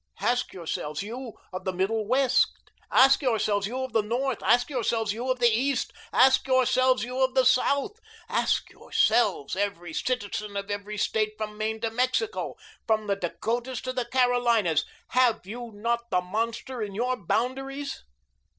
Ask yourselves, you of the Middle West, ask yourselves, you of the North, ask yourselves, you of the East, ask yourselves, you of the South ask yourselves, every citizen of every State from Maine to Mexico, from the Dakotas to the Carolinas, have you not the monster in your boundaries?